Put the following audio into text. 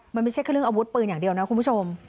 มันไม่ใช่แค่เรื่องอาวุธปืนอย่างเดียวนะคุณผู้ชม